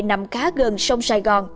nằm khá gần sông sài gòn